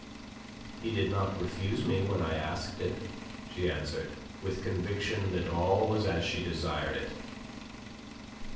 "He did not refuse me when I asked it," she answered, with conviction that all was as she desired it.